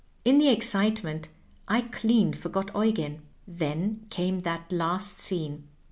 In the excitement I clean forgot Eugen. " Then came that last scene.